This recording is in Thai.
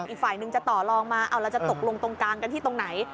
อีกฝ่ายนึงจะต่อลองมาเอาเราจะตกลงตรงกลางกันที่ตรงไหน